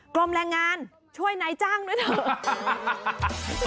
กรมแรงงานช่วยนายจ้างด้วยเถอะ